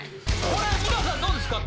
これ皆さんどうですか？